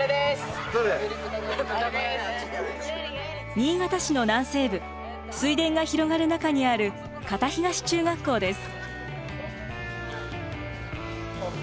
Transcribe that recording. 新潟市の南西部水田が広がる中にある潟東中学校です。